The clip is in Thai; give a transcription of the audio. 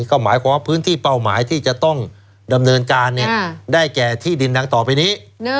ก็หมายความว่าพื้นที่เป้าหมายที่จะต้องดำเนินการได้แก่ที่ดินดังต่อไปนี้